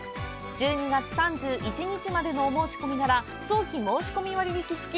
１２月３１日までのお申し込みなら早期申込割引付き！